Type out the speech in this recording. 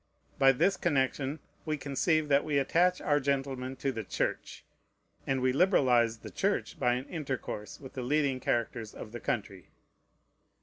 By this connection we conceive that we attach our gentlemen to the Church; and we liberalize the Church by an intercourse with the leading characters of the country.